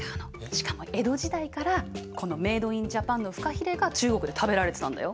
しかも江戸時代からこのメード・イン・ジャパンのフカヒレが中国で食べられてたんだよ。